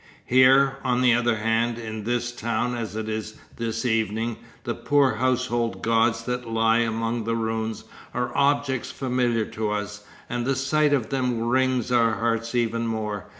Here, on the other hand, in this town as it is this evening, the poor household gods that lie among the ruins are objects familiar to us, and the sight of them wrings our hearts even more.